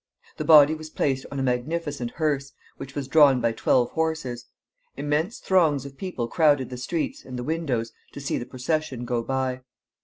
The body was placed on a magnificent hearse, which was drawn by twelve horses. Immense throngs of people crowded the streets and the windows to see the procession go by.